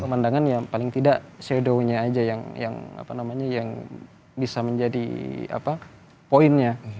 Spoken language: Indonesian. pemandangan ya paling tidak shawdow nya aja yang bisa menjadi poinnya